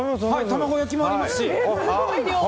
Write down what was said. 卵焼きもありますし。